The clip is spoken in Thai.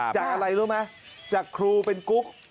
จากอะไรรู้ไหมจากครูเป็นกุ๊ก